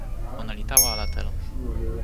ona li tawa ala telo.